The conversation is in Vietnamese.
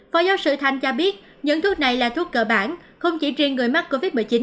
phó giáo sư thanh cho biết những thuốc này là thuốc cơ bản không chỉ riêng người mắc covid một mươi chín